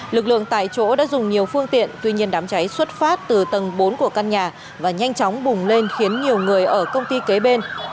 lực lượng tại chỗ đã dùng nhiều phương tiện tuy nhiên đám cháy xuất phát từ tầng bốn của căn nhà và nhanh chóng bùng lên khiến nhiều người ở công ty kế bên